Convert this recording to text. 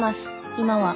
今は。